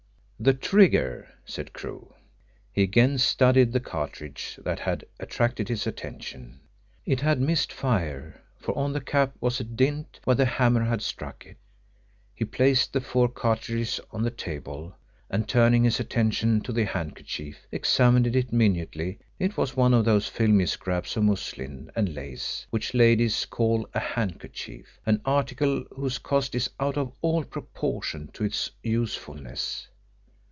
"The trigger," said Crewe. He again studied the cartridge that had attracted his attention. It had missed fire, for on the cap was a dint where the hammer had struck it. He placed the four cartridges on the table and turning his attention to the handkerchief examined it minutely. It was one of those filmy scraps of muslin and lace which ladies call a handkerchief an article whose cost is out of all proportion to its usefulness.